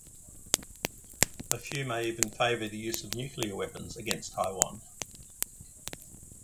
A few may even favor the use of nuclear weapons against Taiwan.